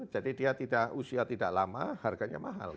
jadi dia usia tidak lama harganya mahal